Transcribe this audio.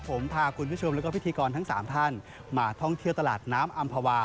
ผมพาคุณผู้ชมแล้วก็พิธีกรทั้ง๓ท่านมาท่องเที่ยวตลาดน้ำอำภาวา